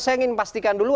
saya ingin memastikan dulu